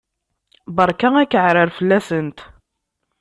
Berka akaɛrer fell-asent!